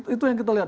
itu yang kita lihat